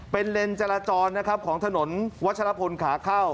เป็นเลนส์จราจรนะครับของถนนวัชลพลขาเข้า